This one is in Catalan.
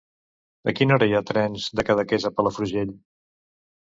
A quina hora hi ha trens de Cadaqués a Palafrugell?